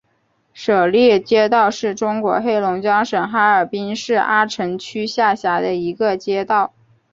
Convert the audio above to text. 舍利街道是中国黑龙江省哈尔滨市阿城区下辖的一个街道。